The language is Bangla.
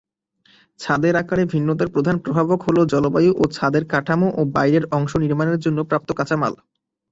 ছাদের আকারে ভিন্নতার প্রধান প্রভাবক হল জলবায়ু ও ছাদের কাঠামো ও বাইরের অংশ নির্মাণের জন্য প্রাপ্ত কাঁচামাল।